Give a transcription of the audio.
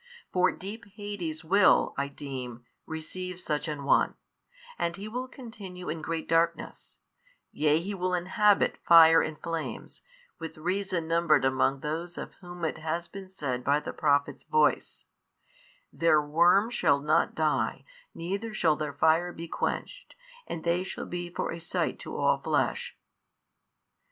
For deep Hades will, I deem, receive such an one, and he will continue in great darkness, yea he will inhabit fire and flames, with reason numbered among those of whom it has been said by Prophet's voice, Their worm shall not die neither shall their fire be quenched, and they shall be for a sight to all flesh.